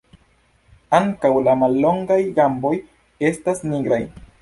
Ankaŭ la mallongaj gamboj estas nigraj.